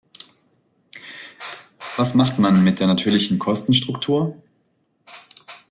Was macht man mit der natürlichen Kostenstruktur?